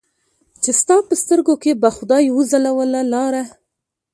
چې ستا په سترګو کې به خدای وځلوله لاره